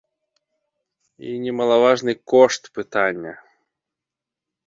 І немалаважны кошт пытання.